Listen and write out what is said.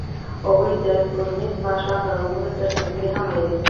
هغوی د سپوږمیز ماښام له رنګونو سره سندرې هم ویلې.